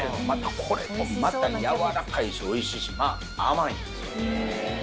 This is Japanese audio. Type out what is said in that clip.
これもまたやわらかいしおいしいし甘いんです。